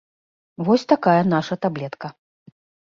Вось такая наша таблетка.